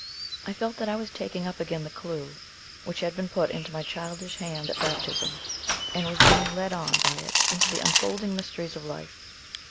I felt that I was taking up again the clue which had been put into my childish hand at baptism, and was being led on by it into the unfolding mysteries of life.